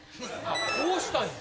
こうしたんや。